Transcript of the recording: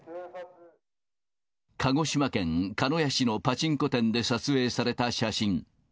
鹿児島県鹿屋市のパチンコ店で撮影された写真。